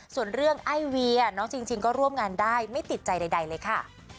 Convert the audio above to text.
ส่วนเรื่องไอเวียน้องจริงก็ร่วมงานได้ไม่ติดใจใดเลยค่ะ